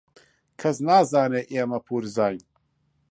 کەس نازانێت ئێمە پوورزاین.